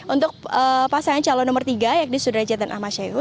untuk pasangan calon nomor tiga yakni sudrajat dan ahmad syaihu